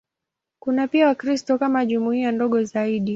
Kuna pia Wakristo kama jumuiya ndogo zaidi.